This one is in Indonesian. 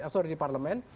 sorry di parlemen